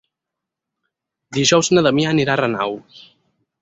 Dijous na Damià anirà a Renau.